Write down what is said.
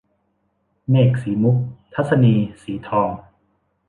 เมฆสีมุก - ทัศนีย์ สีทอง